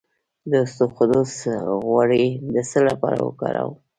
د اسطوخودوس غوړي د څه لپاره وکاروم؟